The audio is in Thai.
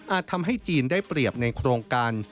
ทำให้จีนได้เปรียบในโครงการ